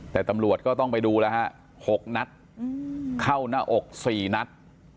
แต่ตำรวจก็ต้องไปดูแล้วฮะ๖นัดเข้าหน้าอก๔นัด